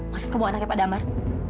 maksud kamu anaknya pak damar